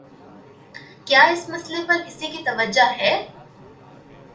کیا اس مسئلے پر کسی کی توجہ ہے؟